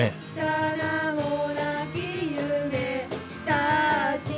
「名もなき夢たち」